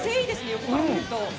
横から見ると。